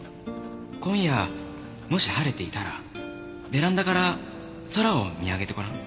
「今夜もし晴れていたらベランダから空を見上げてごらん」